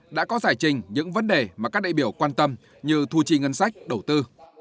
đã có giải trình những vấn đề mà các đại biểu quan tâm như thu chi ngân sách đầu tư